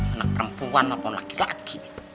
anak perempuan maupun laki laki